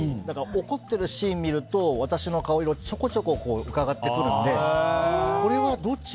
怒ってるシーン見ると私の顔色をちょこちょこうかがってくるのでこれはどっち？